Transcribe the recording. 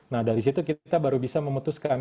nah dari situ kita baru bisa memutuskan